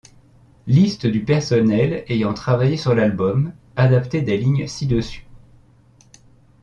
Liste du personnel ayant travaillé sur l'album, adapté des lignes ci-dessus.